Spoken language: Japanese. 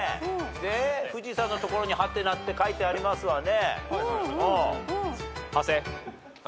で富士山のところにハテナって書いてありますわね。